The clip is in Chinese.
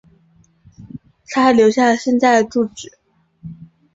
她还留下了现在的住址。